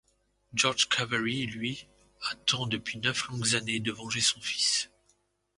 George Cavery, lui, attend depuis neuf longues années de venger son fils.